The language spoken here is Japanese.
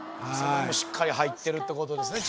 しっかり入ってるってことですね